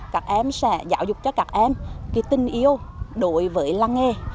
các em sẽ giáo dục cho các em tình yêu đối với làng nghề